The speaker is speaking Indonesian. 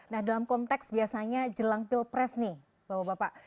nah dalam konteks biasanya jelang pilpres nih bapak bapak